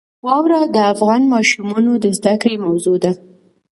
واوره د افغان ماشومانو د زده کړې موضوع ده.